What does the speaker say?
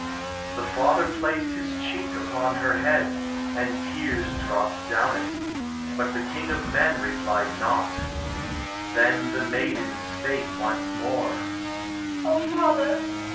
The father placed his cheek upon her head, And tears dropt down it; but the king of men Replied not. Then the maiden spake once more: "O father!